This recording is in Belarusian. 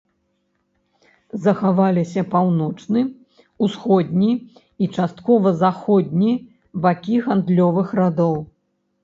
Захаваліся паўночны, усходні і часткова заходні бакі гандлёвых радоў.